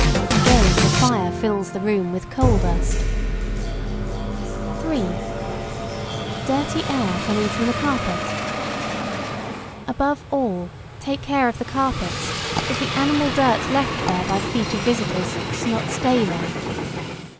Again, the fire fills the room with coal dust. [Sidenote: Dirty air from the carpet.] 3. Dirty air coming from the carpet. Above all, take care of the carpets, that the animal dirt left there by the feet of visitors does not stay there.